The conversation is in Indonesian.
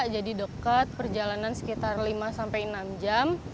jadi deket perjalanan sekitar lima sampai enam jam